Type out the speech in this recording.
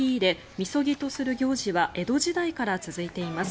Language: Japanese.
みそぎとする行事は江戸時代から続いています。